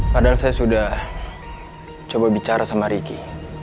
padahal saya sudah coba bicara sama ricky